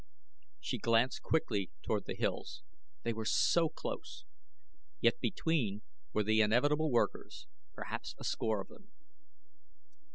She glanced quickly toward the hills. They were so close! Yet between were the inevitable workers perhaps a score of them.